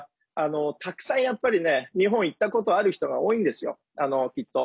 たくさん、やっぱり日本行ったことある人が多いんですよ、きっと。